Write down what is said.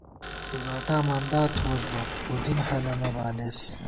ݫُگاٹا مندا تھووُس بہ ہُدِن ہَلہ مہ بالېس